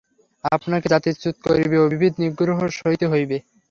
আপনাকে জাতিচ্যুত করিবে ও বিবিধ নিগ্রহ সহিতে হইবে।